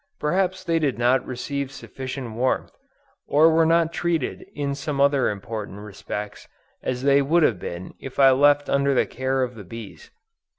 Perhaps they did not receive sufficient warmth, or were not treated in some other important respects, as they would have been if left under the care of the bees.